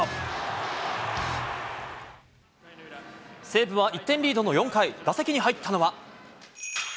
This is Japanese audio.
西武は１点リードの４回、打席に入ったのは。